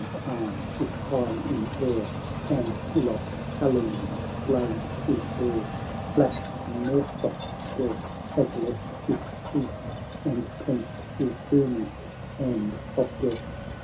5S1 Barcaldine's arm is high in air, And Kiuloch Alline's blade is bare, Black Murthok's dirk has left its sheath, And clenched is Dermid's hand of death.